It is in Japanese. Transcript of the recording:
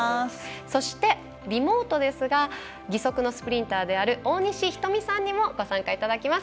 そしてリモートですが義足のスプリンターである大西瞳さんにもご参加いただきます。